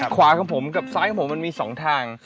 ของผมกับซ้ายของผมมันมี๒ทาง